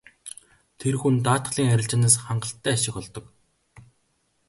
Тэр хүн даатгалын арилжаанаас хангалттай ашиг олдог.